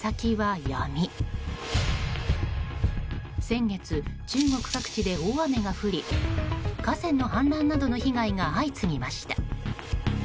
先月、中国各地で大雨が降り河川の氾濫などの被害が相次ぎました。